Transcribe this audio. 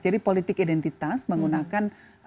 jadi politik identitas menggunakan